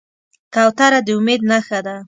کوتره د امید نښه ده.